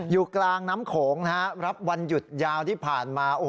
อยู่กลางน้ำโขงรับวันหยุดยาวที่ผ่านมา